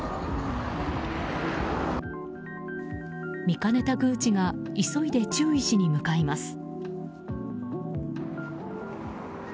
見かねた宮司が急いで注意しに向かいます。